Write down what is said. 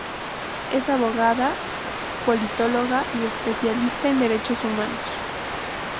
Es abogada, politóloga y especialista en derechos humanos.